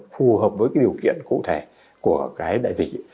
phù hợp với điều kiện cụ thể của đại dịch